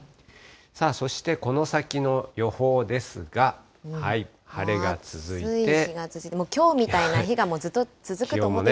そして、この先の予報ですが、晴暑い日が続いて、もうきょうみたいな日がずっと続くと思っていいですか。